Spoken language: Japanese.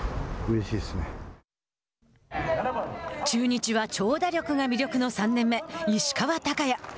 中日は、長打力が魅力の３年目、石川昂弥。